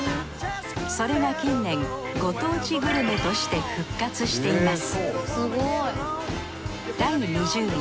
それが近年ご当地グルメとして復活しています